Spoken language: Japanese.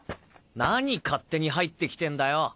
何勝手に入ってきてんだよ。